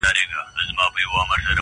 ټولي نړۍ ته کرونا ببر یې!!